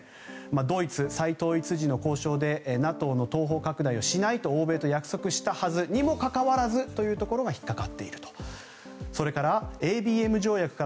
ドイツ、再統一時の交渉でＮＡＴＯの東方拡大しないと欧米と約束したはずにもかかわらずというところが引っかかっていると。